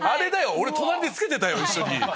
俺隣で付けてたよ一緒に。